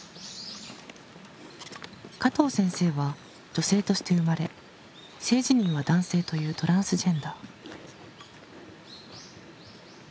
加藤先生は「女性」として生まれ性自認は「男性」というトランスジェンダー。